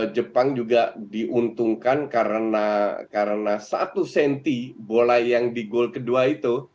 jepang juga diuntungkan karena satu cm bola yang di goal kedua itu